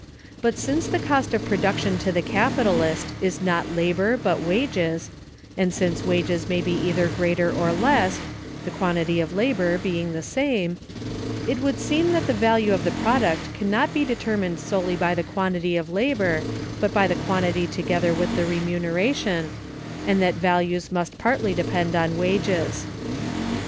But since the cost of production to the capitalist is not labor but wages, and since wages may be either greater or less, the quantity of labor being the same, it would seem that the value of the product can not be determined solely by the quantity of labor, but by the quantity together with the remuneration, and that values must partly depend on wages.